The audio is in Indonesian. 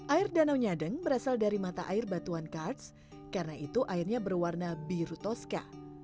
air danau nyadeng berasal dari mata air batuan karts karena itu airnya berwarna biru toska